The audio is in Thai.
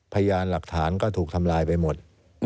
พยานหลักฐานก็ถูกทำลายไปหมด